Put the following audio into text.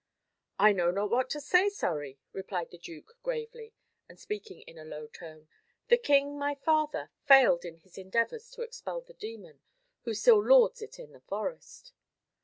"I know not what to say, Surrey," replied the duke gravely, and speaking in a low tone. "The king, my father, failed in his endeavours to expel the demon, who still lords it in the forest."